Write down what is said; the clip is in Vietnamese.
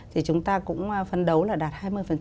thì chúng ta cũng phấn đấu là đạt hai mươi